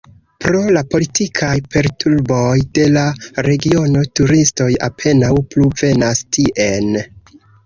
Pro la politikaj perturboj de la regiono turistoj apenaŭ plu venas tien.